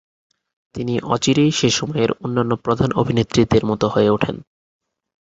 তিনি অচিরেই সে সময়ের অন্যান্য প্রধান অভিনেত্রীদের মত হয়ে ওঠেন।